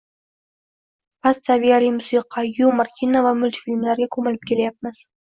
Past saviyali musiqa, yumor, kino va multfilmlarga ko`milib ketyapmiz